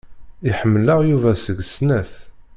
Iḥemmel-aɣ Yuba seg snat.